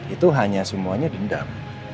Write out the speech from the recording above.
itu hanya semuanya dendam